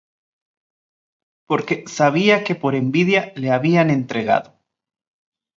Porque sabía que por envidia le habían entregado.